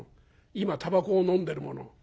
今たばこをのんでるもの」。